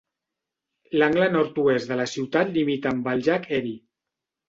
L'angle nord-oest de la ciutat limita amb el llac Erie.